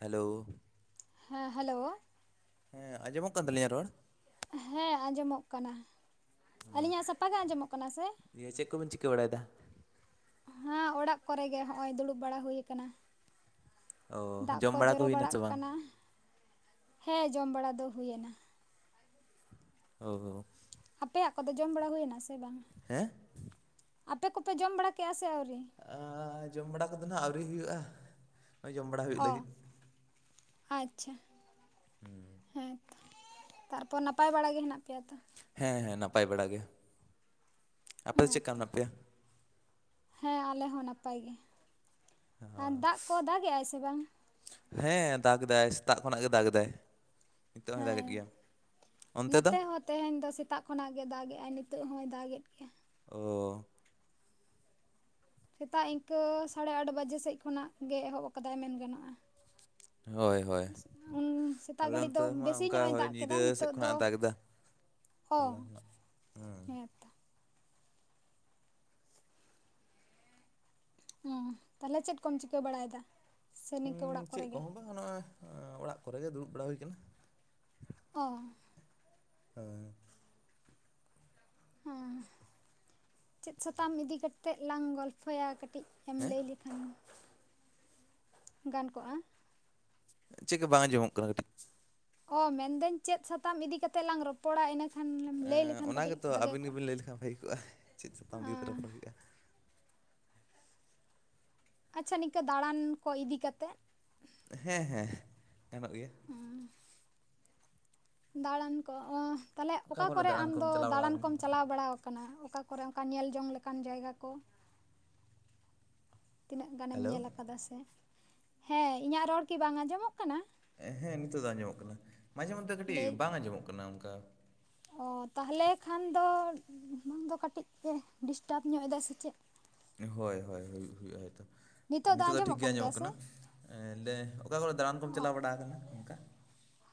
Hello ᱦᱮᱸ hello, ᱦᱮᱸ ᱟᱸᱡᱚᱢᱚᱜ ᱠᱟᱱ ᱛᱟᱹᱞᱤᱧᱟ ᱨᱚᱲ? ᱦᱮᱸ ᱟᱸᱡᱚᱢᱼᱚᱜ ᱠᱟᱱᱟ ᱟᱹᱞᱤᱧ-ᱟᱜ ᱥᱟᱯᱷᱟ ᱜᱮ ᱟᱸᱡᱚᱢ-ᱚᱜ ᱠᱟᱱᱟ ᱥᱮ [inaudible] ᱫᱤᱭᱮ ᱪᱮᱫ ᱠᱚᱵᱤᱱ ᱪᱤᱠᱟᱹ ᱵᱟᱲᱟᱭᱮᱫᱟ ᱦᱮᱸ ᱚᱲᱟᱜ ᱠᱚᱨᱮ ᱜᱮ ᱦᱚᱜᱼᱚᱭ ᱫᱩᱲᱩᱵ ᱵᱟᱲᱟ ᱦᱩᱭ ᱟᱠᱟᱱᱟ ᱚ ᱫᱟᱜ ᱠᱚ ᱡᱚᱢ ᱵᱟᱲᱟ ᱡᱚᱨᱚ ᱦᱩᱭᱱᱟ ᱵᱟᱲᱟᱜ ᱥᱮ ᱵᱟᱝ ᱠᱟᱱᱟ ᱦᱮᱸ ᱡᱚᱢ ᱵᱟᱲᱟ ᱫᱚ ᱦᱩᱭ ᱮᱱᱟ [unintelligible] ᱟᱯᱮᱭ-ᱟᱜ ᱠᱚ ᱫᱚ ᱡᱚᱢ ᱵᱟᱲᱟ ᱦᱩᱭ-ᱱᱟ ᱥᱮ ᱵᱟᱝ ᱦᱮᱸ ᱟᱯᱮ ᱠᱚ ᱯᱮ ᱡᱚᱢ ᱵᱟᱲᱟ ᱠᱮᱜ-ᱟ ᱥᱮ ᱟᱹᱣᱨᱤ ᱡᱚᱢ ᱵᱟᱲᱟ ᱠᱚᱫᱚ ᱱᱟᱜ ᱟᱹᱣᱨᱤ ᱦᱩᱭᱩᱜᱼᱟ ᱱᱚᱜᱚᱭ ᱡᱚᱢ ᱵᱟᱲᱟ ᱦᱩᱭᱩᱜ ᱚ ᱞᱟᱹᱜᱤᱫ ᱟᱪᱪᱷᱟ [inaudible] ᱦᱮᱸ ᱛᱟᱨᱯᱚᱨ ᱱᱟᱯᱟᱭ ᱵᱟᱲᱟ ᱜᱮ ᱦᱮᱱᱟᱜ ᱯᱮᱭᱟ ᱛᱚ ᱦᱮᱸ ᱦᱮᱸ ᱱᱟᱯᱟᱭ ᱵᱟᱲᱟ ᱜᱮ ᱟᱯᱮ ᱫᱚ ᱪᱮᱫᱠᱟ ᱦᱮᱸᱛᱚ ᱢᱮᱱᱟᱜ ᱯᱮᱭᱟ ᱦᱮᱸ ᱟᱞᱮ ᱦᱚᱸ ᱱᱟᱯᱟᱭ ᱜᱮ ᱚ ᱟᱨ ᱫᱟᱜ ᱠᱚ ᱫᱟᱜᱮᱜᱼᱟᱭ ᱥᱮ ᱵᱟᱝ [inaudible] ᱦᱮᱸ ᱫᱟᱜᱽ ᱫᱟᱭ ᱥᱮᱛᱟᱜ ᱠᱷᱚᱱ-ᱟᱜ ᱜᱮ ᱫᱟᱜᱽ ᱫᱟᱭ ᱱᱤᱛᱚᱜ ᱦᱚᱭ ᱫᱟᱜ-ᱮᱫ ᱦᱮᱸ ᱜᱮᱭᱟ ᱚᱱᱛᱮ ᱫᱚ ᱱᱚᱛᱮ ᱦᱚᱸ ᱛᱮᱦᱮᱧ ᱫᱚ ᱥᱮᱛᱟᱜ ᱠᱷᱚᱱᱟᱜ ᱜᱮ ᱫᱟᱜ ᱜᱮᱟᱭ ᱱᱤᱛᱚᱜ ᱦᱚᱸᱭ ᱫᱟᱜ ᱮᱫ ᱜᱮᱭᱟ ᱚ ᱥᱮᱛᱟᱜ ᱤᱱᱠᱟᱹ ᱥᱟᱲᱮ ᱟᱴ ᱵᱟᱡᱮ ᱥᱮᱫ ᱠᱷᱚᱱᱟᱜ ᱜᱮ ᱮᱦᱚᱵ ᱟᱠᱟᱫᱟᱭ ᱢᱮᱱ ᱜᱟᱱᱚᱜᱼᱟ ᱦᱳᱭ ᱦᱳᱭ ᱩᱱ ᱥᱮᱛᱟᱜ ᱟᱞᱮ ᱱᱚ ᱜᱷᱟᱹᱲᱤᱡ ᱫᱚ ᱛᱮ ᱢᱟ ᱵᱮᱥᱤ ᱚᱝᱠᱟ ᱧᱚᱜ ᱮ ᱦᱳᱭ ᱫᱟᱜ ᱠᱮᱫᱟ ᱧᱤᱫᱟᱹ ᱥᱮᱫ ᱱᱤᱛᱚᱜ ᱫᱚ ᱠᱷᱚᱱᱟᱜ ᱮ ᱫᱟᱜᱽ ᱫᱟ [unintelligible] ᱚ ᱦᱮᱸ ᱦᱮᱸᱛᱚ [unintelligible] ᱛᱟᱞᱦᱮ ᱪᱮᱫ ᱠᱚᱢ ᱪᱤᱠᱟᱹ ᱵᱟᱲᱟᱭ-ᱫᱟ ᱪᱮᱫ ᱠᱚ ᱦᱚᱸ ᱵᱟᱝ ᱱᱚᱜᱼᱚᱭ ᱚᱲᱟᱜ ᱠᱚᱨᱮ ᱜᱮ ᱫᱩᱲᱩᱵ ᱵᱟᱲᱟ ᱦᱩᱭ ᱠᱟᱱᱟ ᱚ [unintelligible] [unintelligible] ᱪᱮᱫ ᱥᱟᱛᱟᱢ ᱤᱫᱤ ᱠᱟᱛᱮᱫ ᱞᱟᱝ ᱜᱚᱞᱯᱷᱚᱭᱟ ᱠᱟᱹᱴᱤᱡ ᱮᱢ ᱦᱮᱸ? ᱞᱟᱹᱭ [unintelligible] [unintelligible] ᱜᱟᱱ ᱠᱚᱜᱼᱟ ᱪᱮᱫ ᱜᱮ ᱵᱟᱝ ᱟᱸᱡᱚᱢᱼᱚᱜ ᱠᱟᱱᱟ ᱠᱟᱹᱴᱤᱡ ᱚ ᱢᱮᱱ ᱤᱫᱟᱹᱧ ᱪᱮᱫ ᱥᱟᱛᱟᱢ ᱤᱫᱤ ᱠᱟᱛᱮᱫ ᱞᱟᱝ ᱨᱚᱯᱚᱲᱟ ᱤᱱᱟᱹ ᱚᱱᱟ ᱜᱮᱛᱚ ᱟᱹᱵᱤᱱ ᱜᱮ ᱵᱤᱱ ᱞᱟᱹᱭ ᱞᱮᱠᱷᱟᱱ ᱵᱷᱟᱹᱜ ᱠᱚᱜᱼᱟ ᱪᱮᱫ ᱥᱟᱛᱟᱢ ᱤᱫᱤ ᱠᱟᱛᱮ ᱨᱚᱯᱚᱲ [unintelligible] ᱟᱪᱪᱷᱟ ᱱᱤᱝᱠᱟᱹ ᱫᱟᱲᱟᱱ ᱠᱚ ᱤᱫᱤ ᱠᱟᱛᱮᱫ ᱦᱮᱸ ᱦᱮᱸ ᱜᱟᱱᱚᱜ ᱜᱮᱭᱟ ᱫᱟᱲᱟᱱ ᱠᱚ ᱛᱟᱞᱦᱮ ᱚᱠᱟ ᱠᱚᱨᱮ ᱫᱟᱬᱟᱱ ᱠᱚᱢ ᱟᱢᱫᱚ ᱪᱟᱞᱟᱣ ᱵᱟᱲᱟ ᱫᱟᱲᱟᱱ ᱟᱠᱟᱱᱟ ᱠᱚᱢ ᱪᱟᱞᱟᱣ ᱵᱟᱲᱟᱣ [unintelligible] ᱠᱟᱱᱟ ᱚᱠᱟ ᱠᱚᱨᱮ ᱚᱝᱠᱟᱱ ᱧᱮᱞ ᱡᱚᱝ ᱞᱮᱠᱟᱱ ᱡᱟᱭᱜᱟ ᱠᱚ ᱛᱤᱱᱟᱹᱜ ᱜᱟᱱ ᱮᱢ ᱦᱮᱞᱳ ᱧᱮᱞ ᱟᱠᱟᱫᱟ ᱥᱮ ᱦᱮᱸ ᱤᱧᱟᱹᱜ ᱨᱚᱲ ᱠᱤ ᱵᱟᱝ ᱟᱸᱡᱚᱢᱼᱚᱜ ᱠᱟᱱᱟ ᱦᱮᱸ ᱱᱤᱛᱚᱜ ᱫᱚ ᱟᱸᱡᱚᱢᱼᱚᱜ ᱠᱟᱱᱟ ᱢᱟᱡᱷᱮ ᱢᱚᱫᱫᱷᱮ ᱠᱟᱹᱴᱤᱡ ᱞᱟᱹᱭ ᱵᱟᱝ ᱟᱸᱡᱚᱢ-ᱚᱜ ᱠᱟᱱᱟ ᱚᱱᱠᱟ ᱚ ᱛᱟᱦᱚᱞᱮ ᱠᱷᱟᱱ ᱫᱚ ᱵᱟᱝ ᱫᱚ ᱠᱟᱹᱴᱤᱡ ᱮ ᱰᱤᱥᱴᱟᱵ ᱧᱚᱜ ᱮᱫᱟ ᱥᱮ ᱪᱮᱫ ᱦᱳᱭ ᱦᱳᱭ ᱦᱩᱭᱩᱜᱼᱟ ᱦᱳᱭ ᱛᱳ ᱱᱤᱛᱚᱜ ᱫᱚ ᱴᱷᱤᱠ ᱟᱸᱡᱚᱢᱚᱜ ᱜᱮ ᱠᱟᱱ ᱜᱮᱭᱟ ᱟᱸᱡᱚᱢᱼᱚᱜ ᱥᱮ ᱠᱟᱱᱟ ᱦᱮᱸ ᱞᱟᱹᱭ ᱫᱟᱹᱧ ᱚᱠᱟ ᱠᱚᱨᱮ ᱫᱟᱲᱟᱱ ᱠᱚᱢ ᱚ ᱪᱟᱞᱟᱣ ᱵᱟᱲᱟ ᱠᱟᱱᱟ ᱚᱝᱠᱟ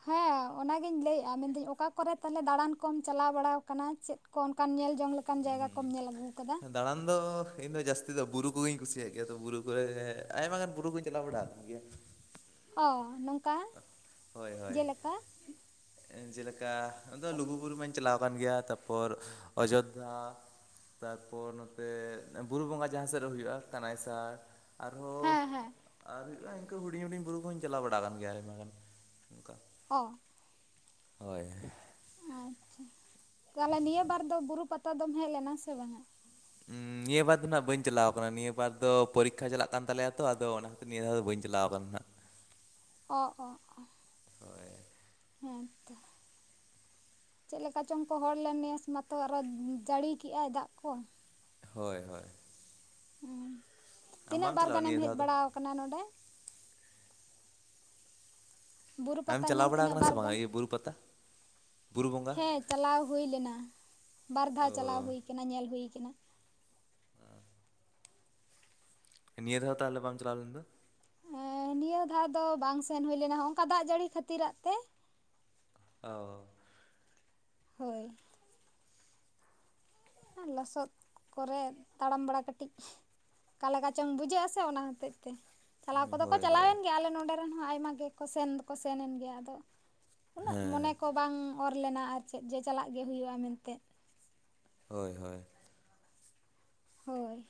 ᱦᱮᱸ ᱚᱱᱟ ᱜᱤᱧ ᱞᱟᱹᱭ ᱮᱜᱼᱟ ᱢᱮᱱ ᱫᱤᱧ ᱚᱠᱟ ᱠᱚ ᱨᱮ ᱛᱟᱦᱚᱞᱮ ᱫᱟᱲᱟᱱ ᱠᱚᱢ ᱪᱟᱞᱟᱣ ᱵᱟᱲᱟ ᱟᱠᱟᱱᱟ [unintelligible] ᱠᱚᱱᱠᱟᱱ ᱧᱮᱞ ᱡᱚᱝ ᱞᱮᱠᱟᱱ ᱡᱟᱭᱜᱟ ᱠᱚᱢ ᱧᱮᱞ ᱟᱹᱜᱩ ᱟᱠᱟᱫᱟ ᱾ ᱫᱟᱲᱟᱱ ᱫᱚ ᱤᱧ ᱫᱚ ᱡᱟᱹᱥᱛᱤ ᱫᱚ ᱵᱩᱨᱩ ᱠᱚ ᱜᱮᱧ ᱠᱩᱥᱤᱭ-ᱟᱜ ᱜᱮᱭᱟ ᱛᱚ ᱵᱩᱨᱩ ᱠᱚᱨᱮ ᱟᱭᱢᱟ ᱜᱟᱱ ᱵᱩᱨᱩ ᱠᱚᱧ ᱪᱟᱞᱟᱣ ᱵᱟᱲᱟᱣ ᱟᱠᱟᱱᱟ ᱜᱮᱭᱟ ᱚ ᱱᱚᱝᱠᱟ ᱦᱳᱭ ᱦᱳᱭ ᱡᱮᱞᱮᱠᱟ ᱡᱮ ᱞᱮᱠᱟ ᱟᱫᱚ ᱞᱩᱜᱩᱼᱵᱩᱨᱩ ᱢᱟᱹᱧ ᱪᱟᱞᱟᱣ ᱟᱠᱟᱱ ᱜᱮᱭᱟ ᱛᱟᱯᱚᱨ ᱚᱡᱳᱫᱫᱷᱟ ᱛᱟᱨᱯᱚᱨ ᱱᱚᱛᱮ ᱵᱩᱨᱩ ᱵᱚᱸᱜᱟ ᱡᱟᱦᱟᱸ ᱥᱮᱫ ᱨᱮ ᱦᱩᱭᱩᱜᱼᱟ ᱠᱟᱱᱟᱹᱭ ᱥᱟᱨ ᱟᱨ ᱦᱮᱸ ᱦᱮᱸ ᱟᱨ ᱦᱩᱭᱩᱜᱼᱟ ᱤᱱᱠᱟᱹ ᱦᱩᱰᱤᱧ ᱦᱩᱰᱤᱧ ᱵᱩᱨᱩ ᱠᱚ ᱦᱚᱸᱧ ᱪᱟᱞᱟᱣ ᱵᱟᱲᱟ ᱟᱠᱟᱱ ᱜᱮᱭᱟ ᱟᱭᱢᱟ ᱜᱟᱱ [unintelligible] ᱚ ᱦᱳᱭ ᱟᱪᱪᱷᱟ ᱛᱟᱦᱚᱞᱮ ᱱᱤᱭᱟᱹ ᱵᱟᱨ ᱫᱚ ᱵᱩᱨᱩ ᱯᱟᱛᱟ ᱫᱚᱢ ᱦᱮᱡ ᱞᱮᱱᱟ ᱥᱮ ᱵᱟᱝ-ᱟ? ᱱᱤᱭᱟᱹ ᱵᱟᱨ ᱫᱚ ᱱᱟᱦᱟᱜ ᱵᱟᱹᱧ ᱪᱟᱞᱟᱣ ᱟᱠᱟᱱᱟ ᱱᱤᱭᱟᱹ ᱵᱟᱨ ᱫᱚ ᱯᱚᱨᱤᱠᱷᱟ ᱪᱟᱞᱟᱜ ᱠᱟᱱ ᱛᱟᱞᱮᱭᱟ ᱛᱚ ᱟᱫᱚ ᱚᱱᱟ ᱱᱤᱭᱟᱹ ᱫᱷᱟᱹᱣ ᱫᱚ ᱵᱟᱹᱧ ᱪᱟᱞᱟᱣ ᱟᱠᱟᱱᱟ ᱱᱟᱦᱟᱜ‌ ᱾ ᱚ ᱚ ᱚ ᱼᱼ [inaudible] ᱦᱮᱸᱛᱚ ᱼᱼ ᱪᱮᱫ ᱞᱮᱠᱟ ᱪᱚᱝᱠᱚ ᱦᱚᱲ ᱞᱮᱱ ᱱᱮᱥ ᱢᱟᱛᱚ ᱟᱨᱼᱦᱚᱸ ᱡᱟᱹᱲᱤ ᱠᱮᱜ-ᱟᱭ ᱫᱟᱜ ᱠᱚ ᱾ ᱦᱳᱭ ᱦᱳᱭ ᱼᱼ ᱛᱤᱱᱟᱹᱜ ᱵᱟᱢ ᱵᱟᱨ ᱪᱟᱞᱟᱣᱟ ᱜᱟᱱᱮᱢ ᱱᱤᱭᱟᱹ ᱦᱮᱡ ᱫᱷᱟᱣ ᱫᱚ ᱵᱟᱲᱟᱣ ᱟᱠᱟᱱᱟ ᱱᱚᱸᱰᱮ? ᱵᱩᱨᱩ ᱟᱢ ᱯᱟᱛᱟ ᱪᱟᱞᱟᱣ ᱧᱮᱞ ᱵᱟᱲᱟ ᱛᱤᱱᱟᱹᱜ ᱠᱟᱱᱟ ᱥᱮ ᱵᱟᱨ ᱵᱟᱝᱟ ᱜᱟᱱ? ᱤᱭᱟᱹ ᱵᱩᱨᱩ ᱯᱟᱛᱟ? ᱵᱩᱨᱩ ᱵᱚᱸᱜᱟ ᱦᱮᱸ ᱪᱟᱞᱟᱣ ᱦᱩᱭ ᱞᱮᱱᱟ ᱵᱟᱨ ᱫᱷᱟᱣ ᱪᱟᱞᱟᱣ ᱚ ᱦᱩᱭ ᱠᱟᱱᱟ ᱧᱮᱞ ᱦᱩᱭ ᱟᱠᱟᱱᱟ ᱾ [inaudible] ᱱᱤᱭᱟᱹ ᱫᱷᱟᱹᱣ ᱛᱟᱦᱞᱮ ᱵᱟᱢ ᱪᱟᱞᱟᱣ ᱞᱮᱱ ᱫᱚ? ᱮᱸ ᱱᱤᱭᱟᱹ ᱫᱷᱟᱣ ᱫᱚ ᱵᱟᱝ ᱥᱮᱱ ᱦᱩᱭ ᱞᱮᱱᱟ ᱦᱚᱝᱠᱟ ᱫᱟᱜ ᱡᱟᱹᱲᱤ ᱠᱷᱟᱹᱛᱤᱨᱟᱜ ᱛᱮ ᱾ ᱚ ᱦᱳᱭ ᱟᱨ ᱞᱚᱥᱚᱫ ᱠᱚᱨᱮ ᱛᱟᱲᱟᱢ ᱵᱟᱲᱟ ᱠᱟᱹᱴᱤᱡ ᱟᱠᱟ ᱞᱮᱠᱟ ᱪᱚᱝ ᱵᱩᱡᱷᱟᱹᱜᱼᱟ ᱥᱮ ᱚᱱᱟ ᱦᱚᱛᱮᱡ ᱛᱮ ᱾ ᱪᱟᱞᱟᱣ ᱠᱚᱫᱚ ᱠᱚ ᱦᱳᱭ ᱪᱟᱞᱟᱣ ᱦᱳᱭ ᱮᱱ ᱜᱮᱭᱟ ᱟᱞᱮ ᱱᱚᱰᱮ ᱨᱮᱱ ᱦᱚᱸ ᱟᱭᱢᱟ ᱜᱮᱠᱚ ᱥᱮᱱ ᱫᱚᱠᱚ ᱥᱮᱱ ᱮᱱ ᱜᱮᱭᱟ ᱟᱫᱚ ᱩᱱᱟᱹᱜ ᱢᱚᱱᱮ ᱦᱮᱸ ᱠᱚ ᱵᱟᱝ ᱚᱨ ᱞᱮᱱᱟ ᱟᱨ ᱪᱮᱫ ᱡᱮ ᱪᱟᱞᱟᱜ ᱜᱮ ᱦᱩᱭᱩᱜᱼᱟ ᱢᱮᱱᱛᱮ᱾ ᱦᱚᱭ ᱦᱚᱭ ᱾ ᱦᱳᱭ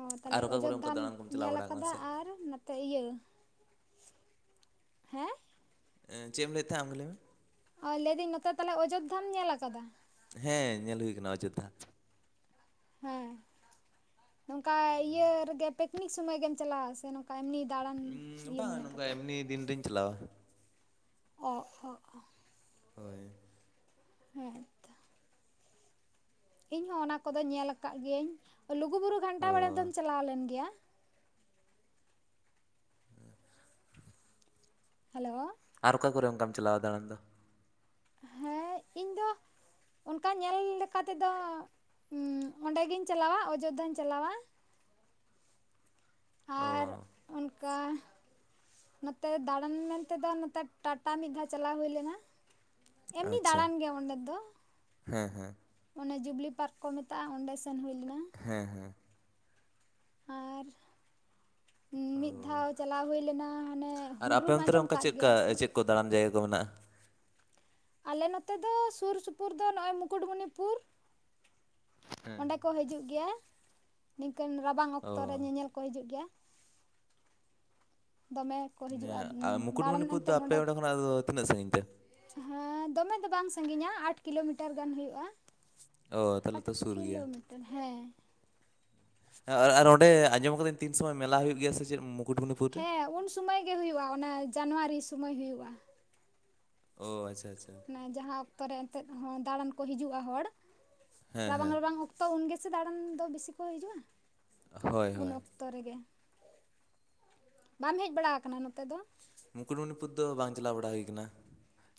ᱚ ᱛᱟᱦᱞᱮ ᱟᱨ ᱚᱠᱟ ᱠᱚᱨᱮ ᱚᱱᱠᱟ ᱚᱡᱳᱫᱽᱫᱷᱟᱢ ᱫᱟᱬᱟᱱ ᱠᱚᱢ ᱧᱮᱞ ᱵᱟᱲᱟ ᱟᱠᱟᱱᱟ ᱟᱠᱟᱫᱟ ᱥᱮ ᱟᱨ ᱛᱮ ᱤᱭᱟᱹ ᱦᱮᱸ ᱮᱸ ᱪᱮᱜ ᱮᱢ ᱞᱟᱹᱭᱮᱫ ᱛᱟᱦᱮᱱ ᱟᱢᱜᱮ ᱞᱟᱹᱭ ᱢᱮ? ᱚ ᱞᱟᱹᱭᱫᱟᱹᱧ ᱱᱚᱛᱮ ᱛᱟᱞᱦᱮ ᱚᱡᱳᱫᱽᱫᱷᱟᱢ ᱧᱮᱞ ᱠᱟᱫᱟ? ᱦᱮᱸ ᱧᱮᱞ ᱦᱳᱭ ᱠᱟᱱᱟ ᱚᱡᱳᱫᱽᱫᱷᱟ ᱾ ᱦᱮᱸ ᱱᱚᱝᱠᱟ ᱤᱭᱟᱹ ᱨᱮᱜᱮ ᱯᱤᱠᱱᱤᱠ ᱥᱚᱢᱚᱭ ᱜᱮᱢ ᱪᱟᱞᱟᱣᱟ ᱥᱮ? ᱮᱢᱱᱤ ᱫᱟᱬᱟᱱ ᱤᱭᱟᱹ ᱢᱚᱱᱮ ᱵᱟᱝ ᱠᱟᱛᱮᱫ ᱮᱢᱱᱤ ᱫᱤᱱ ᱨᱤᱧ ᱪᱟᱞᱟᱣᱟ᱾ ᱚ ᱚ ᱚ ᱦᱳᱭ ᱼᱼ ᱦᱮᱸ᱾ ᱛᱚ ᱤᱧ ᱦᱚᱸ ᱚᱱᱟ ᱠᱚᱫᱚᱧ ᱧᱮᱞ ᱟᱠᱟᱜ ᱜᱤᱭᱟᱹᱧ᱾ ᱞᱩᱜᱩ ᱵᱩᱨᱩ ᱚ ᱜᱷᱟᱱᱴᱟ ᱵᱟᱲᱮ ᱫᱚᱢ ᱪᱟᱞᱟᱣ ᱞᱮᱱ ᱜᱮᱭᱟ? ᱦᱮᱞᱳ ᱟᱨ ᱚᱠᱟ ᱠᱚᱨᱮᱢ ᱚᱝᱠᱟᱢ ᱪᱟᱞᱟᱣᱟ ᱫᱟᱬᱟᱱ ᱫᱚ? ᱦᱮᱸ ᱤᱧ ᱫᱚ ᱚᱱᱠᱟ ᱧᱮᱞ ᱞᱮᱠᱟ ᱛᱮᱫᱚ ᱦᱩᱸ ᱚᱸᱰᱮᱜᱤᱧ ᱪᱟᱞᱟᱣᱟ ᱚᱡᱳᱫᱽᱫᱷᱟᱧ ᱪᱟᱞᱟᱣᱟ᱾ ᱟᱨ ᱚᱻ ᱚᱱᱠᱟ ᱱᱚᱛᱮ ᱫᱟᱬᱟᱱ ᱢᱮᱱᱛᱮ ᱫᱚ ᱱᱚᱛᱮ ᱴᱟᱴᱟ ᱢᱤᱫ ᱫᱷᱟᱣ ᱪᱟᱞᱟᱣ ᱦᱩᱭ ᱞᱮᱱᱟ᱾ ᱮᱢᱱᱤ ᱟᱪᱪᱷᱟ ᱫᱟᱬᱟᱱ ᱜᱮ ᱚᱸᱰᱮ ᱫᱚ᱾ ᱦᱮᱸ ᱦᱮᱸ ᱚᱱᱮ ᱡᱩᱵᱽᱞᱤ ᱯᱟᱨᱠ ᱠᱚ ᱢᱮᱛᱟᱜᱼᱟ ᱚᱸᱰᱮ ᱥᱮᱱ ᱦᱩᱭ ᱞᱮᱱᱟ᱾ ᱦᱮᱸ ᱦᱮᱸ ᱟᱨ ᱢᱤᱫ ᱚ ᱫᱷᱟᱣ ᱪᱟᱞᱟᱣ ᱦᱩᱭ ᱞᱮᱱᱟ ᱦᱟᱱᱮ ᱟᱨ ᱟᱯᱮ ᱦᱩᱰᱨᱩᱢ ᱚᱱᱛᱮ ᱨᱮ ᱟᱸᱡᱚᱢ ᱚᱱᱠᱟ ᱠᱟᱜ ᱪᱮᱫᱠᱟ ᱜᱮᱭᱟ ᱥᱮ ᱪᱮᱫ ᱠᱚ ᱫᱟᱬᱟᱱ ᱡᱟᱭᱜᱟ ᱠᱚ ᱢᱮᱱᱟᱜᱼᱟ? ᱟᱞᱮ ᱱᱚᱛᱮ ᱫᱚ ᱥᱩᱨ ᱥᱩᱯᱩᱨ ᱫᱚ ᱱᱚᱜᱼᱚᱭ ᱢᱩᱠᱩᱴᱢᱩᱱᱤᱯᱩᱨ ᱦᱮᱸ ᱚᱸᱰᱮ ᱠᱚ ᱦᱤᱡᱩᱜ ᱜᱮᱭᱟ ᱱᱤᱝᱠᱟᱹᱱ ᱨᱟᱵᱟᱝ ᱚ ᱚᱠᱛᱚ ᱨᱮ ᱧᱮᱧᱮᱞ᱾ ᱠᱚ ᱦᱤᱡᱩᱜ ᱜᱮᱭᱟ ᱫᱚᱢᱮ ᱠᱚ ᱦᱤᱡᱩᱜᱼᱟ ᱟᱨ ᱫᱟᱬᱟᱱ ᱢᱩᱠᱩᱴᱢᱩᱱᱤᱯᱩᱨ ᱫᱚ ᱮᱱᱛᱮᱫ ᱟᱯᱮ ᱱᱚᱰᱮ ᱚᱸᱰᱮ ᱠᱷᱚᱱᱟᱜ ᱫᱚ ᱛᱤᱱᱟᱹᱜ ᱥᱟᱺᱜᱤᱧ ᱛᱮ ᱦᱮᱸ ᱫᱚᱢᱮ ᱫᱚ ᱵᱟᱝ ᱥᱟᱺᱜᱤᱧᱟ ᱟᱴ ᱠᱤᱞᱚᱢᱤᱴᱟᱨ ᱜᱟᱱ ᱦᱩᱭᱩᱜᱼᱟ ᱚ ᱛᱟᱦᱚᱞᱮ ᱟᱴ ᱛᱚ ᱥᱩᱨ ᱜᱮᱭᱟ ᱠᱤᱞᱚᱢᱤᱴᱟᱨ ᱦᱮᱸ ᱟᱨ ᱟᱨ ᱚᱸᱰᱮ ᱟᱸᱡᱚᱢ ᱠᱟᱹᱫᱟᱹᱧ ᱛᱤᱱ ᱥᱚᱢᱚᱭ ᱢᱮᱞᱟ ᱦᱩᱭᱩᱜ ᱜᱮᱭᱟ ᱥᱮ ᱪᱮᱫ ᱢᱩᱠᱩᱴᱢᱩᱱᱤᱯᱩᱨ ᱨᱮ? ᱦᱮᱸ ᱩᱱ ᱥᱩᱢᱟᱹᱭ ᱜᱮ ᱦᱩᱭᱩᱜᱼᱟ ᱚᱱᱟ ᱡᱟᱱᱣᱟᱨᱤ ᱥᱩᱢᱟᱹᱭ ᱦᱩᱭᱩᱜᱼᱟ᱾ ᱚ ᱟᱪᱪᱷᱟ ᱟᱪᱷᱟ ᱦᱮᱸ ᱡᱟᱦᱟᱸ ᱚᱠᱛᱚ ᱨᱮ ᱮᱱᱛᱮᱫ ᱦᱮᱸ ᱫᱟᱬᱟᱱ ᱠᱚ ᱦᱤᱡᱩᱜᱼᱟ ᱦᱚᱲ ᱦᱮᱸ ᱨᱟᱵᱟᱝ ᱦᱮᱸ ᱨᱟᱵᱟᱝ ᱚᱠᱛᱚ ᱛᱚ ᱩᱱ ᱜᱮ ᱥᱮ ᱫᱟᱬᱟᱱ ᱫᱚ ᱵᱤᱥᱤ ᱠᱚ ᱦᱤᱡᱩᱜᱼᱟ ᱦᱳᱭ ᱩᱱ ᱦᱳᱭ ᱚᱠᱛᱮ ᱚᱠᱛᱚ ᱨᱮᱜᱮ ᱵᱟᱢ ᱦᱮᱡ ᱵᱟᱲᱟ ᱟᱠᱟᱱᱟ ᱱᱚᱛᱮ ᱫᱚ ᱢᱩᱠᱩᱴᱢᱩᱱᱤᱯᱩᱨ ᱫᱚ ᱵᱟᱝ ᱪᱟᱞᱟᱣ ᱵᱟᱲᱟ ᱦᱩᱭ ᱠᱟᱱᱟ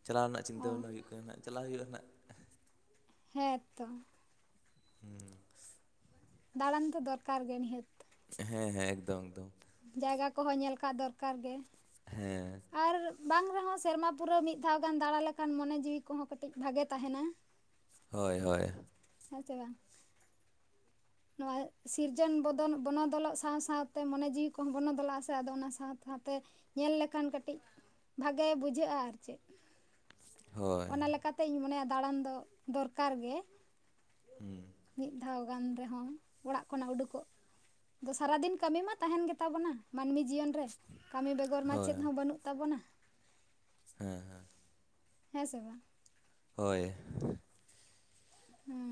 ᱪᱟᱞᱟᱣ ᱨᱮᱱᱟᱜ ᱪᱤᱱᱛᱟᱹ ᱚ ᱵᱦᱟᱵᱽᱱᱟ ᱦᱩᱭᱩᱜ ᱠᱟᱱᱟ ᱪᱟᱞᱟᱣ ᱦᱩᱭᱩᱜᱼᱟ ᱦᱟᱸᱜ ᱦᱮᱸᱛᱚ [inaudible] ᱫᱟᱬᱟᱱ ᱛᱚ ᱫᱚᱨᱠᱟᱨ ᱜᱮ ᱱᱤᱦᱟᱹᱛᱤ ᱦᱮᱸ ᱦᱮᱸ ᱮᱠᱫᱚᱢ ᱫᱚᱢ ᱡᱟᱭᱜᱟ ᱠᱚᱦᱚᱸ ᱧᱮᱞ ᱠᱟᱜ ᱫᱚᱨᱠᱟᱨ ᱜᱮ ᱦᱮᱸ ᱟᱨ ᱵᱟᱝ ᱨᱮᱦᱚᱸ ᱥᱮᱨᱢᱟ ᱯᱩᱨᱟᱹᱣ ᱢᱤᱫ ᱫᱷᱟᱣ ᱜᱟᱱ ᱫᱟᱬᱟ ᱞᱮᱠᱷᱟᱱ ᱢᱚᱱᱮ ᱡᱤᱣᱤ ᱠᱚᱦᱚᱸ ᱠᱟᱹᱴᱤᱡ ᱵᱷᱟᱜᱮ ᱛᱟᱦᱮᱱᱟ ᱦᱳᱭ ᱦᱳᱭ ᱦᱮᱸ ᱥᱮ ᱵᱟᱝ ᱱᱚᱣᱟ ᱥᱤᱨᱡᱚᱱ ᱵᱚᱫᱚᱞ ᱵᱚᱱᱚᱫᱚᱞᱚᱜ ᱥᱟᱶ ᱥᱟᱶᱛᱮ ᱢᱚᱱᱮ ᱡᱤᱣᱤ ᱠᱚᱦᱚᱸ ᱵᱚᱱᱚᱫᱚᱞᱚᱜ ᱟᱥᱮ ᱟᱫᱚ ᱚᱱᱟ ᱥᱟᱶ ᱥᱟᱶᱛᱮ ᱧᱮᱞ ᱞᱮᱠᱷᱟᱱ ᱠᱟᱹᱴᱤᱡ ᱵᱷᱟᱜᱮ ᱵᱩᱡᱷᱟᱹᱜᱼᱟ ᱟᱨ ᱪᱮᱫ ᱦᱳᱭ ᱚᱱᱟ ᱞᱮᱠᱟ ᱛᱤᱧ ᱢᱚᱱᱮᱭᱟ ᱫᱟᱬᱟᱱ ᱫᱚ ᱫᱚᱨᱠᱟᱨ ᱜᱮ ᱦᱩᱸ [unintelligible] ᱢᱤᱫ ᱫᱷᱟᱣ ᱜᱟᱱ ᱨᱮᱦᱚᱸ ᱚᱲᱟᱜ ᱠᱷᱚᱱᱟᱜ ᱩᱰᱩᱠᱚᱜ ᱥᱟᱨᱟᱫᱤᱱ ᱠᱟᱹᱢᱤ ᱢᱟ ᱛᱟᱦᱮᱱ ᱜᱮ ᱛᱟᱵᱚᱱᱟ ᱢᱟᱹᱱᱢᱤ ᱡᱤᱭᱚᱱ ᱨᱮ ᱠᱟᱹᱢᱤ ᱵᱮᱜᱚᱨ ᱢᱟ ᱦᱳᱭ ᱪᱮᱫ ᱦᱚᱸ ᱵᱟᱹᱱᱩᱜ ᱛᱟᱵᱚᱱᱟ ᱦᱮᱸ ᱦᱮᱸ ᱦᱮᱸ ᱥᱮ ᱵᱟᱝ ᱦᱚᱭ ᱦᱩᱸ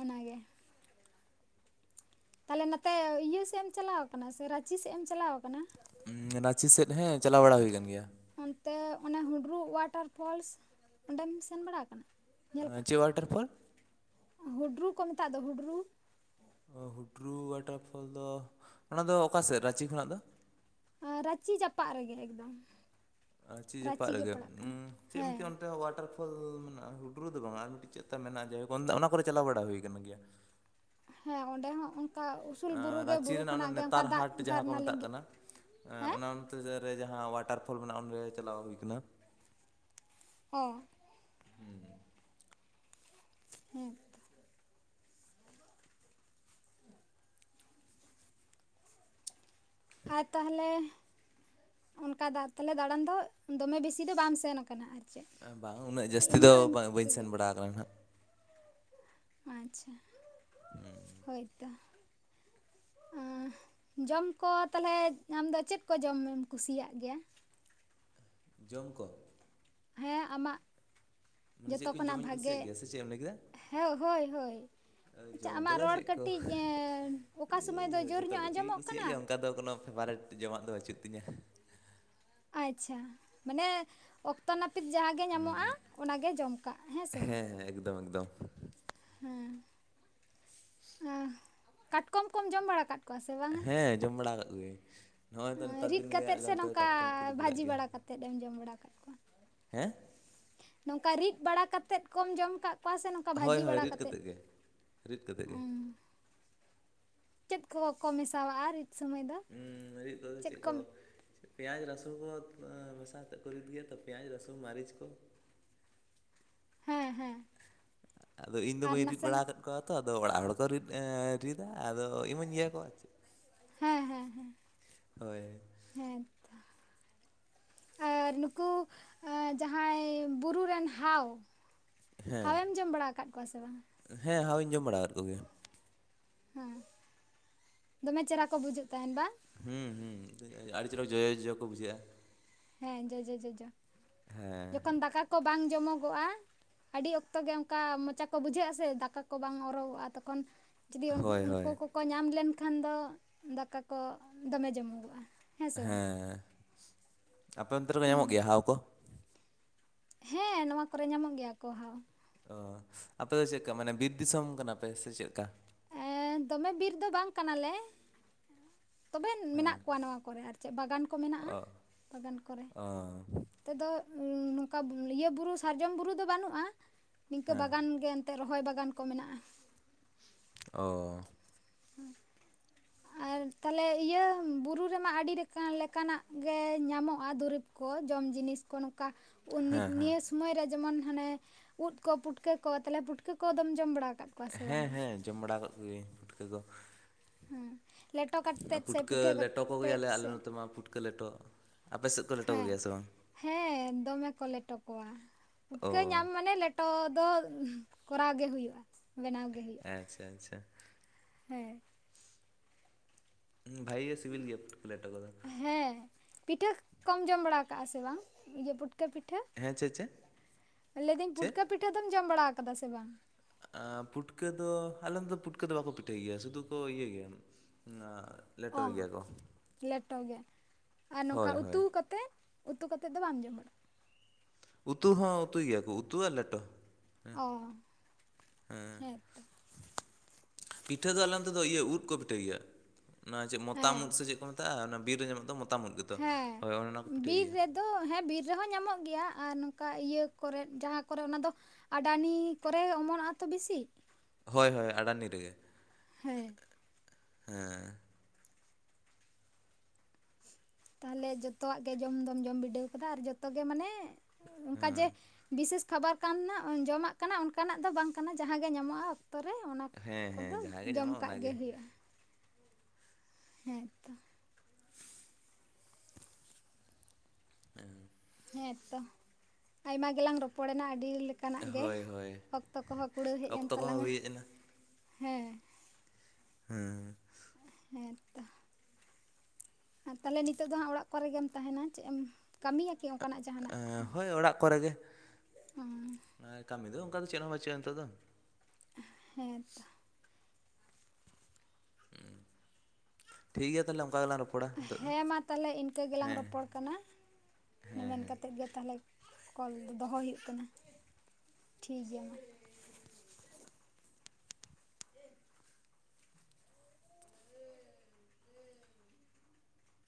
ᱚᱱᱟᱜᱮ ᱛᱟᱦᱚᱞᱮ ᱱᱚᱛᱮ ᱤᱭᱟᱹ ᱥᱮᱫ ᱮᱢ ᱪᱟᱞᱟᱣ ᱟᱠᱟᱱᱟ ᱥᱮ ᱨᱟᱸᱪᱤ ᱥᱮᱫ ᱮᱢ ᱪᱟᱞᱟᱣ ᱟᱠᱟᱱᱟ ᱮᱸ ᱨᱟᱸᱪᱤ ᱥᱮᱫ ᱦᱮᱸ ᱪᱟᱞᱟᱣ ᱵᱟᱲᱟ ᱦᱩᱭ ᱠᱟᱱ ᱜᱮᱭᱟ ᱚᱱᱛᱮ ᱚᱱᱮ ᱦᱩᱰᱨᱩᱜ ᱚᱣᱟᱴᱟᱨ ᱯᱷᱚᱞᱥ ᱚᱸᱰᱮᱢ ᱥᱮᱱ ᱵᱟᱲᱟ ᱟᱠᱟᱱᱟ ᱧᱮᱞ ᱠᱟᱜᱼᱟ ᱪᱮᱫ ᱚᱣᱟᱴᱟᱨ ᱯᱷᱚᱞ ᱦᱩᱰᱨᱩ ᱠᱚ ᱢᱮᱛᱟᱜ ᱫᱚ ᱦᱩᱰᱨᱩ ᱚ ᱦᱩᱰᱨᱩ ᱚᱣᱟᱴᱟᱨᱯᱷᱚᱞ ᱫᱚ ᱚᱱᱟ ᱫᱚ ᱚᱠᱟ ᱥᱮᱫ ᱨᱟᱸᱪᱤ ᱠᱷᱚᱱᱟᱜ ᱫᱚ ᱨᱟᱸᱪᱤ ᱡᱟᱯᱟᱜ ᱨᱮᱜᱮ ᱮᱠᱫᱚᱢ ᱨᱟᱸᱪᱤ ᱡᱟᱯᱟᱜ ᱜᱮ ᱨᱮᱜᱮ ᱯᱟᱲᱟᱜ ᱩᱸ ᱠᱟᱱᱟ ᱪᱮᱫ ᱢᱤᱫᱴᱮᱡ ᱦᱮᱸ ᱚᱱᱛᱮ ᱚᱣᱟᱴᱟᱨ [unintelligible] ᱦᱩᱰᱨᱩ ᱫᱚ ᱵᱟᱝ ᱟᱨ ᱢᱤᱫᱴᱤᱡ ᱪᱮᱫ ᱛᱟᱱ ᱢᱮᱱᱟᱜᱼᱟ ᱡᱟᱭᱦᱚᱠ ᱚᱱᱟ ᱠᱚᱨᱮ ᱪᱟᱞᱟᱣ ᱵᱟᱲᱟ ᱦᱩᱭ ᱠᱟᱱ ᱜᱮᱭᱟ ᱦᱮᱸ ᱚᱸᱰᱮ ᱦᱚᱸ ᱚᱱᱠᱟ ᱩᱥᱩᱞ ᱵᱩᱨᱩ ᱟᱨ ᱜᱮ ᱨᱟᱸᱪᱤ ᱵᱩᱨᱩ ᱨᱮᱱᱟᱜ ᱚᱱᱟ ᱠᱷᱚᱱᱟᱜ ᱜᱮ ᱚᱱᱠᱟ ᱱᱮᱛᱟᱨ ᱫᱟᱜ ᱦᱟᱴ ᱡᱟᱦᱟᱸ ᱠᱚ ᱡᱷᱟᱨᱱᱟ ᱢᱮᱛᱟᱜ ᱞᱤᱸᱜᱤᱜ ᱠᱟᱱᱟ ᱮᱸ ᱚᱱᱟ ᱚᱱᱛᱮ ᱨᱮ ᱡᱟᱦᱟᱸ ᱚᱣᱟᱴᱟᱨ ᱯᱷᱚᱞ ᱢᱮᱱᱟᱜᱼᱟ ᱚᱸᱰᱮ ᱪᱟᱞᱟᱣ ᱦᱩᱭ ᱠᱟᱱᱟ ᱚ ᱦᱩᱸ ᱦᱩᱸ ᱦᱮᱸ ᱟᱨ ᱛᱟᱦᱮᱞᱮ ᱚᱱᱠᱟ ᱫᱟ ᱛᱟᱦᱚᱞᱮ ᱫᱟᱬᱟᱱ ᱫᱚ ᱫᱚᱢᱮ ᱵᱤᱥᱤ ᱫᱚ ᱵᱟᱢ ᱥᱮᱱ ᱟᱠᱟᱱᱟ ᱟᱨᱠᱤ ᱵᱟᱝ ᱩᱱᱟᱹᱜ ᱡᱟᱹᱥᱛᱤ ᱫᱚ ᱵᱟᱹᱧ ᱥᱮᱱ ᱵᱟᱲᱟ ᱟᱠᱟᱱᱟ ᱱᱟᱸᱜ ᱟᱪᱷᱟ ᱦᱩᱸ, ᱦᱳᱭ ᱛᱚ ᱟᱜ ᱮᱸᱦ ᱡᱚᱢ ᱠᱚ ᱛᱟᱦᱚᱞᱮ ᱟᱢ ᱫᱚ ᱪᱮᱫ ᱠᱚ ᱡᱚᱢ ᱮᱢ ᱠᱩᱥᱤᱭᱟᱜ ᱜᱮᱭᱟ? ᱡᱚᱢ ᱠᱚᱢ ᱦᱮᱸ ᱟᱢᱟᱜ ᱢᱟᱱᱮ ᱪᱮᱫ ᱡᱚᱛᱚ ᱠᱚᱧ ᱠᱷᱚᱱᱟᱜ ᱡᱚᱢᱤᱧ ᱵᱷᱟᱜᱮ ᱠᱩᱥᱤᱭᱟᱜ ᱜᱮᱭᱟ ᱥᱮ ᱪᱮᱫ ᱮᱢ ᱞᱟᱹᱭ ᱠᱮᱫᱟ ᱦᱮ ᱦᱚᱭ ᱦᱚᱭ ᱮ, ᱟᱪᱪᱷᱟ ᱡᱚᱢ ᱟᱢᱟᱜ ᱠᱚᱫᱚ ᱨᱚᱲ ᱪᱮᱫ ᱠᱚ ᱠᱟᱹᱴᱤᱡ ᱮᱸ ᱚᱠᱟ ᱥᱚᱢᱚᱭ ᱫᱚ ᱡᱳᱨ ᱡᱚᱛᱚ ᱧᱚᱜ ᱠᱤᱪᱷᱩᱧ ᱟᱸᱡᱚᱢᱚᱜ ᱠᱩᱥᱤᱭᱟᱜ ᱠᱟᱱᱟ, ᱜᱮᱭᱟ ᱚᱱᱠᱟ ᱫᱚ ᱠᱳᱱᱳ ᱯᱷᱮᱵᱟᱨᱮᱴ ᱡᱚᱢᱟᱜ ᱫᱚ ᱵᱟᱹᱪᱩᱜ ᱛᱤᱧᱟᱹ᱾ ᱟᱪᱪᱷᱟ ᱢᱟᱱᱮ ᱚᱠᱛᱚ ᱱᱟᱹᱯᱤᱛ ᱡᱟᱦᱟᱸ ᱜᱮ ᱦᱩᱸ, ᱧᱟᱢᱚᱜᱼᱟ ᱚᱱᱟ ᱜᱮ ᱡᱚᱢ ᱠᱟᱜ ᱢᱮ ᱦᱮᱸ ᱥᱮ ᱵᱟᱝ ᱦᱮᱸ ᱮᱠᱫᱚᱢ ᱮᱠᱫᱚᱢ᱾ ᱦᱮᱸ ᱠᱟᱴᱠᱚᱢ ᱠᱚᱢ ᱡᱚᱢ ᱵᱟᱲᱟ ᱠᱟᱜ ᱠᱚᱣᱟ ᱥᱮ ᱵᱟᱝᱟ ᱦᱮᱸ ᱡᱚᱢ ᱵᱟᱲᱟ ᱠᱟᱫ ᱠᱚᱜᱮᱭᱤᱧ᱾ ᱨᱤᱫ ᱠᱟᱛᱮᱫ ᱥᱮ ᱱᱚᱝᱠᱟ ᱠᱚ ᱩᱰᱩᱠ ᱵᱟᱲᱟᱜ ᱵᱷᱟᱹᱡᱤ ᱜᱮᱭᱟ ᱵᱟᱲᱟ ᱠᱟᱛᱮᱫ ᱮᱢ ᱡᱚᱢ ᱵᱟᱲᱟ ᱟᱠᱟᱫ ᱠᱚᱣᱟ᱾ ᱦᱮᱸ ᱱᱚᱝᱠᱟ ᱨᱤᱫ ᱵᱟᱲᱟ ᱠᱟᱛᱮᱜ ᱠᱚᱢ ᱡᱚᱢ ᱠᱟᱜ ᱚᱠᱟ ᱥᱮ ᱱᱚᱝᱠᱟ ᱦᱳᱭ ᱵᱷᱟᱹᱡᱤ ᱦᱳᱭ ᱵᱟᱲᱟ ᱨᱤᱫ ᱠᱟᱛᱮᱜ ᱠᱟᱛᱮᱫ ᱜᱮ ᱨᱤᱫ ᱠᱟᱛᱮᱫ ᱜᱮ ᱪᱮᱫ ᱠᱚᱠᱚ ᱢᱮᱥᱟᱣᱟᱜᱼᱟ? ᱨᱤᱫ ᱥᱚᱢᱚᱭ ᱫᱚ ᱩᱸ ᱨᱤᱫ ᱠᱚᱫᱚ ᱪᱮᱫ ᱠᱚ ᱯᱮᱸᱭᱟᱡᱽ ᱨᱟᱥᱩᱱ ᱠᱚ ᱢᱮᱥᱟ ᱠᱟᱛᱮᱫ ᱠᱚ ᱨᱤᱫ ᱜᱮᱭᱟ ᱛᱚ ᱯᱮᱸᱭᱟᱡᱽ ᱨᱟᱥᱩᱱ ᱢᱟᱨᱤᱪ ᱠᱚ ᱦᱮᱸ ᱦᱮᱸ ᱟᱫᱚ ᱤᱧ ᱫᱚ ᱟᱨ ᱵᱟᱹᱧ ᱨᱤᱫ ᱵᱟᱲᱟ ᱱᱟᱥᱮᱱᱟᱜ ᱟᱠᱟᱫ ᱠᱚᱣᱟ ᱛᱚ ᱟᱫᱚ ᱚᱲᱟᱜ ᱦᱚᱲ ᱠᱚ ᱨᱤᱫ ᱨᱤᱫᱟ ᱟᱫᱚ ᱤᱢᱟᱹᱧ ᱜᱮᱭᱟ ᱠᱚ ᱟᱨ ᱪᱮᱫ ᱦᱮᱸ ᱦᱮᱸ ᱦᱮᱸ ᱦᱳᱭ᱾ ᱦᱮᱸ ᱛᱚ᱾ ᱟᱨ ᱱᱩᱠᱩ ᱟᱹ ᱡᱟᱦᱟᱭ ᱵᱩᱨᱩ ᱨᱮᱱ ᱦᱟᱣ, ᱦᱮᱸ ᱦᱟᱣ ᱮᱢ ᱡᱚᱢ ᱵᱟᱲᱟ ᱟᱠᱟᱫ ᱠᱚᱣᱟ ᱥᱮ ᱵᱟᱝ ᱦᱮᱸ ᱦᱟᱣ ᱤᱧ ᱡᱚᱢ ᱵᱟᱲᱟ ᱟᱠᱟᱫ ᱠᱚᱜᱮᱭᱟ᱾ ᱦᱮᱸ ᱫᱚᱢᱮ ᱪᱮᱦᱨᱟ ᱠᱚ ᱵᱩᱡᱩᱜ ᱛᱟᱦᱮᱱ ᱵᱟᱝ ᱦᱩᱸ ᱦᱩᱸ ᱟᱰᱤ ᱪᱮᱨᱦᱟ ᱡᱚᱡᱚ ᱡᱚᱡᱚ ᱠᱚ ᱵᱩᱡᱷᱟᱹᱜ-ᱟ ᱦᱮᱸ ᱡᱚᱡᱚ ᱡᱚᱡᱚ, ᱦᱮᱸ ᱡᱚᱠᱷᱚᱱ ᱫᱟᱠᱟ ᱠᱚ ᱵᱟᱝ ᱡᱚᱢᱚᱜᱚᱜ-ᱟ, ᱟᱹᱰᱤ ᱚᱠᱛᱚ ᱜᱮ ᱚᱱᱠᱟ ᱢᱚᱪᱟ ᱠᱚ ᱵᱩᱡᱷᱟᱹᱜ-ᱟ ᱥᱮ ᱫᱟᱠᱟ ᱠᱚ ᱵᱟᱝ ᱚᱨᱚᱜᱚᱜ-ᱟ ᱛᱚᱠᱷᱚᱱ ᱡᱩᱫᱤ ᱦᱳᱭ ᱦᱳᱭ ᱩᱱᱠᱩ ᱠᱚᱠᱚ ᱧᱟᱢ ᱞᱮᱱᱠᱷᱟᱱ ᱫᱚ ᱫᱟᱠᱟ ᱠᱚ ᱫᱚ ᱢᱮ ᱡᱚᱢᱚᱜᱚᱜ-ᱟ᱾ ᱦᱮᱸ ᱥᱮ ᱵᱟᱝ? ᱟᱯᱮ ᱚᱱᱛᱮ ᱨᱮᱠᱚ ᱦᱩᱸ ᱧᱟᱢᱚᱜ ᱜᱮᱭᱟ ᱦᱟᱣ ᱠᱚ? ᱦᱮᱸ ᱱᱚᱣᱟ ᱠᱚᱨᱮ ᱧᱟᱢᱚᱜ ᱜᱮᱭᱟ ᱠᱚ ᱦᱟᱣ᱾ ᱚ ᱟᱯᱮ ᱫᱚ ᱪᱮᱫ ᱠᱟ ᱢᱟᱱᱮ ᱵᱤᱨ ᱫᱤᱥᱚᱢ ᱠᱟᱱᱟ ᱯᱮ ᱥᱮ ᱪᱮᱫ ᱠᱟ? ᱦᱮᱸ ᱫᱚᱢᱮ ᱵᱤᱨ ᱫᱚ ᱵᱟᱝ ᱠᱟᱱᱟ ᱞᱮ ᱛᱚᱵᱮ ᱢᱮᱱᱟᱜ ᱦᱮᱸ ᱠᱚᱣᱟ ᱱᱚᱣᱟ ᱠᱚᱨᱮ ᱟᱨ ᱪᱮᱫ ᱵᱟᱜᱟᱹᱱ ᱠᱚ ᱢᱮᱱᱟᱜ-ᱟ ᱚ ᱵᱟᱜᱟᱹᱱ ᱠᱚᱨᱮ ᱚ ᱱᱚᱛᱮ ᱫᱚ ᱱᱚᱝᱠᱟ ᱤᱭᱟᱹ ᱵᱩᱨᱩ ᱥᱟᱨᱡᱚᱢ ᱵᱩᱨᱩ ᱫᱚ ᱵᱟᱹᱱᱩᱜ-ᱟ ᱱᱤᱝᱠᱟ ᱦᱮᱸ ᱵᱟᱜᱟᱱ ᱜᱮ ᱚᱛᱮ ᱨᱚᱦᱚᱭ ᱵᱟᱜᱟᱹᱱ ᱠᱚ ᱢᱮᱱᱟᱜ-ᱟ ᱚ ᱟᱨ ᱛᱟᱦᱚᱞᱮ ᱤᱭᱟᱹ ᱵᱩᱨᱩ ᱨᱮᱢᱟ ᱟᱹᱰᱤ ᱞᱮᱠᱟᱱᱟᱜ ᱜᱮ ᱧᱟᱢᱚᱜ-ᱟ, ᱫᱩᱨᱤᱵᱽ ᱠᱚ ᱡᱚᱢ ᱡᱤᱱᱤᱥ ᱠᱚ ᱱᱚᱠᱟ ᱱᱤᱭᱟᱹ ᱥᱳᱢᱚᱭ ᱨᱮ ᱡᱮᱢᱚᱱ ᱦᱟᱱᱮ ᱩᱫ ᱠᱚ, ᱯᱩᱴᱠᱟᱹ ᱠᱚ, ᱛᱟᱦᱚᱞᱮ ᱯᱩᱴᱠᱟᱹ ᱠᱚᱫᱚᱢ ᱡᱚᱢ ᱵᱟᱲᱟ ᱟᱠᱟᱫ ᱠᱚᱣᱟ? ᱥᱮ ᱦᱮᱸ ᱵᱟᱝᱟ ᱦᱮᱸ ᱡᱚᱢ ᱵᱟᱲᱟ ᱟᱠᱟᱹᱜ ᱠᱩᱜᱤᱭᱤᱧ ᱯᱩᱴᱠᱟᱹ ᱠᱚ᱾ ᱦᱩᱸ ᱞᱮᱴᱚ ᱠᱟᱛᱮᱜ ᱥᱮ, ᱯᱩᱴᱠᱟᱹ ᱯᱤᱴᱷᱟᱹ ᱞᱮᱴᱚ ᱠᱟᱛᱮᱫ ᱠᱚᱜᱮᱭᱟᱞᱮ ᱟᱞᱮ ᱥᱮ ᱱᱚᱛᱮ ᱢᱟ ᱯᱩᱴᱠᱟᱹ ᱞᱮᱴᱚ ᱟᱯᱮ ᱥᱮᱫ ᱠᱚ ᱞᱮᱴᱚ ᱦᱮᱸ ᱠᱚᱜᱮᱭᱟ ᱥᱮ ᱵᱟᱝ? ᱦᱮᱸ ᱫᱚᱢᱮ ᱠᱚ ᱞᱮᱴᱚ ᱠᱚᱣᱟ ᱚ ᱯᱩᱴᱠᱟᱹ ᱧᱟᱢ ᱢᱟᱱᱮ ᱞᱮᱴᱚ ᱫᱚ ᱠᱚᱨᱟᱣ ᱜᱮ ᱦᱩᱭᱩᱜ-ᱟ ᱵᱮᱱᱟᱣ ᱜᱮ ᱦᱩᱭᱩᱜ-ᱟ᱾ ᱟᱪᱪᱷᱟ ᱪᱷᱟ᱾ ᱦᱮᱸ ᱵᱷᱟᱭᱮ ᱥᱤᱵᱤᱞ ᱜᱮᱭᱟ ᱯᱩᱴᱠᱟᱹ ᱞᱮᱴᱚ ᱠᱚᱫᱚ ᱦᱮᱸ ᱯᱤᱴᱷᱟᱹ ᱠᱚᱢ ᱡᱚᱢ ᱵᱟᱲᱟ ᱟᱠᱟᱜ-ᱟ ᱥᱮ ᱵᱟᱝ ᱤᱭᱟᱹ ᱯᱩᱴᱠᱟᱹ ᱯᱤᱴᱷᱟᱹ? ᱦᱮᱸ ᱪᱮᱫ ᱪᱮᱫ? ᱯᱤᱴᱷᱟ, ᱞᱟᱹᱭᱫᱟᱹᱧ ᱪᱮᱫ ᱯᱩᱴᱠᱟᱹ ᱯᱤᱴᱷᱟᱹ ᱫᱚᱢ ᱡᱚᱢ ᱵᱟᱲᱟ ᱟᱠᱟᱫᱟ ᱥᱮ ᱵᱟᱝ? ᱯᱩᱴᱠᱟᱹ ᱫᱚ, ᱟᱞᱮ ᱯᱩᱴᱠᱟᱹ ᱫᱚ ᱵᱟᱠᱚ ᱯᱤᱴᱷᱟᱹᱭ ᱜᱮᱭᱟ᱾ ᱥᱩᱫᱷᱩ ᱠᱚ ᱤᱭᱟᱹ ᱜᱮᱭᱟ ᱞᱮᱴᱚ ᱚ ᱜᱮᱭᱟ ᱠᱚ᱾ ᱞᱮᱴᱚ ᱜᱮ, ᱟᱨ ᱱᱚᱝᱠᱟ ᱦᱳᱭ ᱩᱛᱩ ᱦᱳᱭ ᱠᱟᱛᱮᱫ, ᱩᱛᱩ ᱠᱟᱛᱮᱫ ᱫᱚ ᱵᱟᱢ ᱡᱚᱢ ᱵᱟᱲᱟᱜᱼᱟ᱾ ᱩᱛᱩ ᱦᱚᱸ ᱩᱛᱩᱭ ᱜᱮᱭᱟ ᱠᱚ, ᱩᱛᱩᱼᱟ ᱞᱮᱴᱚ ᱦᱮᱸ ᱚ ᱦᱮᱸ᱾ ᱦᱮᱸᱛᱚ ᱯᱤᱴᱷᱟᱹ ᱫᱚ ᱟᱞᱮ ᱛᱮᱫᱚ ᱤᱭᱟᱹ, ᱩᱫᱽ ᱠᱚ ᱯᱤᱴᱷᱟᱹ ᱜᱮᱭᱟ᱾ ᱚᱱᱟ ᱪᱮᱫ ᱢᱚᱛᱟᱢ ᱦᱮᱸ ᱩᱫᱽ ᱥᱮ ᱪᱮᱫ ᱠᱚ ᱢᱮᱛᱟᱜᱼᱟ, ᱚᱱᱟ ᱵᱤᱨ ᱨᱮ ᱧᱟᱢᱚᱜ ᱫᱚ ᱢᱚᱛᱟᱢ ᱩᱫᱽ ᱜᱮᱛᱚ, ᱦᱳᱭ ᱚᱱᱮ ᱚᱱᱟ ᱠᱚ ᱯᱤᱴᱷᱟᱹᱭ ᱜᱮᱭᱟ᱾ ᱫᱚ ᱦᱮᱸ ᱵᱤᱨ ᱨᱮᱦᱚᱸ ᱧᱟᱢᱚᱜ ᱜᱮᱭᱟ, ᱟᱨ ᱱᱚᱝᱠᱟ ᱤᱭᱟᱹ ᱠᱚᱨᱮᱫ ᱡᱟᱦᱟᱸ ᱠᱚᱨᱮ ᱚᱱᱟ ᱫᱚ ᱟᱰᱟᱱᱤ ᱠᱚᱨᱮ ᱚᱢᱚᱱᱚᱜᱼᱟ ᱛᱚ ᱵᱤᱥᱤ᱾ ᱦᱳᱭ ᱦᱳᱭ ᱟᱰᱟᱱᱤ ᱨᱮᱜᱮ᱾ ᱦᱮᱸ ᱦᱮᱸ ᱛᱟᱦᱚᱞᱮ ᱡᱚᱛᱚᱣᱟᱜ ᱜᱮ ᱡᱚᱢ ᱫᱚᱢ ᱡᱚᱢ ᱵᱤᱰᱟᱹᱣ ᱠᱟᱫᱟ᱾ ᱟᱨ ᱡᱚᱛᱚᱜᱮ ᱢᱟᱱᱮ ᱚᱱᱠᱟ ᱡᱮ ᱵᱤᱥᱮᱥ ᱠᱷᱟᱵᱟᱨ ᱠᱟᱱ ᱡᱚᱢᱟᱜ ᱠᱟᱱᱟ᱾ ᱚᱱᱠᱟᱱᱟᱜ ᱫᱚ ᱵᱟᱝ ᱠᱟᱱᱟ, ᱡᱟᱦᱟᱸᱜ ᱜᱮ ᱧᱟᱢᱚᱜᱼᱟ ᱚᱛᱚ ᱨᱮ ᱚᱱᱟ ᱦᱮᱸ ᱦᱮᱸ ᱠᱚᱫᱚ ᱡᱟᱦᱟᱸ ᱜᱮ ᱡᱚᱢ ᱧᱟᱢᱚᱜᱼᱟ ᱠᱟᱜ ᱜᱮ ᱚᱱᱟᱜᱮ ᱦᱩᱭᱩᱜᱼᱟ᱾ ᱦᱮᱸ ᱛᱚ᱾ [unintelligible] ᱦᱮᱸ ᱛᱚ, ᱟᱭᱢᱟ ᱜᱮᱞᱟᱝ ᱨᱚᱯᱚᱲ ᱮᱱᱟ ᱟᱹᱰᱤ ᱞᱮᱠᱟ᱾ ᱠᱟᱱᱟᱜ ᱜᱮ᱾ ᱦᱳᱭ ᱦᱳᱭ ᱚᱠᱛᱚ ᱠᱚᱦᱚᱸ ᱠᱩᱲᱟᱹᱣ ᱦᱮᱡ ᱮᱱ ᱚᱠᱛᱚ ᱠᱚᱦᱚᱸ ᱛᱟᱞᱟᱝ-ᱟ᱾ ᱦᱩᱭ ᱦᱮᱡ ᱮᱱᱟ ᱦᱮᱸ ᱦᱮᱸ ᱦᱮᱸ ᱦᱮᱸ ᱛᱚ ᱟᱨ ᱛᱟᱦᱚᱞᱮ ᱱᱤᱛᱚᱜ ᱫᱚ ᱦᱟᱸᱜ ᱚᱲᱟᱜ ᱠᱚᱨᱮᱜ ᱜᱮᱢ ᱛᱟᱦᱮᱱᱟ᱾ ᱪᱮᱫ ᱮᱢ ᱠᱟᱹᱢᱤᱭᱟ ᱠᱤ ᱚᱱᱠᱟᱱᱟᱜ ᱡᱟᱦᱟᱸ ᱦᱳᱭ ᱚᱲᱟᱜ ᱠᱚᱨᱮ ᱜᱮ᱾ ᱠᱟᱹᱢᱤ ᱫᱚ ᱚᱱᱠᱟ ᱫᱚ ᱪᱮᱫ ᱦᱚᱸ ᱵᱟᱹᱪᱩᱜᱼᱟ ᱱᱤᱛᱚᱜ ᱫᱚ᱾ ᱦᱮᱸ ᱛᱚ ᱴᱷᱤᱠ ᱜᱮᱭᱟ ᱛᱟᱦᱚᱞᱮ᱾ ᱚᱱᱠᱟ ᱜᱮᱞᱟᱝ ᱨᱚᱯ ᱦᱮᱸ ᱢᱟ ᱛᱟᱦᱚᱞᱮ ᱤᱱᱠᱟᱹ ᱜᱮᱞᱟᱝ ᱨᱚᱯᱚᱲ ᱠᱟᱱᱟ᱾ ᱦᱮᱸ ᱢᱮᱱ ᱦᱮᱸ ᱠᱟᱛᱮᱫ ᱜᱮ ᱛᱟᱦᱚᱞᱮ ᱠᱚᱞ ᱫᱚ ᱫᱚᱦᱚᱭ ᱦᱩᱭᱩᱜ ᱠᱟᱱᱟ᱾ ᱴᱷᱤᱠ ᱜᱮᱭᱟ ᱢᱟ᱾